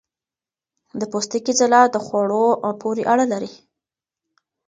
د پوستکي ځلا د خوړو پورې تړلې ده.